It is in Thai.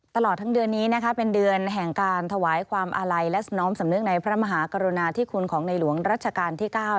ตลอดทั้งเดือนนี้เป็นเดือนแห่งการถวายความอาลัยและสน้อมสำนึกในพระมหากรุณาธิคุณของในหลวงรัชกาลที่๙